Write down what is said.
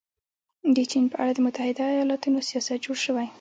د چین په اړه د متحده ایالتونو سیاست جوړ شوی.